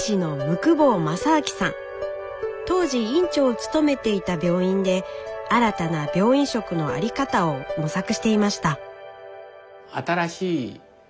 当時院長を務めていた病院で新たな病院食の在り方を模索していました。